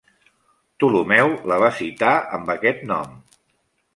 Ptolemeu la va citar amb aquest nom.